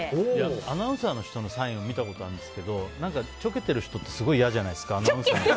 アナウンサーの人のサインを見たことあるんですけどちょけてる人ってすごい嫌じゃないですか。